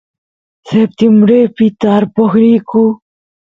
septiembrepi tarpoq riyku